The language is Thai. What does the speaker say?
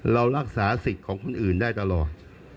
เรารักษาสิทธิ์ของคนอื่นได้ตลอด